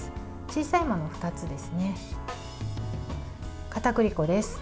小さいもの２つですね。